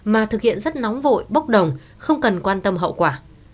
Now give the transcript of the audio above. mà thực hiện rất nóng vội bốc đồng không cần quan tâm hậu quả